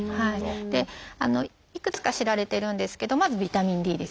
でいくつか知られてるんですけどまずビタミンＤですね。